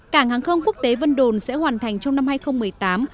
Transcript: cảng hàng không quốc tế vân đồn sẽ hoàn thành trong năm hai nghìn một mươi tám